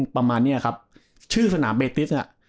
ประมาณเนี้ยครับชื่อสนามเบติสอ่ะ